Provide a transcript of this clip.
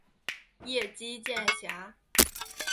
叶基渐狭。